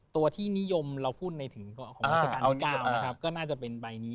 ตัวที่นิยมเราพูดในถึงของราชการที่๙นะครับก็น่าจะเป็นใบนี้